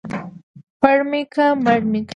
پړ مى که مړ مى که.